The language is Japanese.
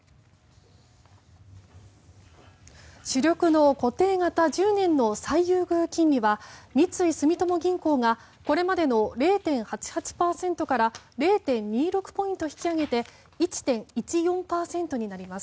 主力の固定型１０年の最優遇金利は三井住友銀行がこれまでの０．８８％から０．２６ポイント引き上げて１．１４％になります。